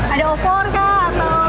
ada opor kah atau